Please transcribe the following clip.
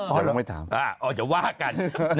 หรออ๋อเราไม่ถามอ๋ออย่าว่ากัน